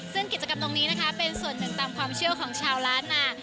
ซึ่งกิจกรรมตรงนี้นะคะเป็นส่วนหนึ่งตามความเชื่อของชาวล้านนา